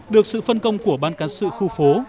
được sự phân công của ban cán sự khu phố